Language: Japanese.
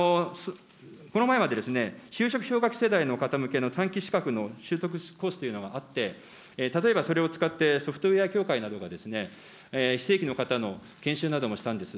この前まで、就職氷河期世代向けの短期資格の取得講習というのがあって、例えばそれを使って、ソフトウエア協会などが非正規の方の研修などもしたんです。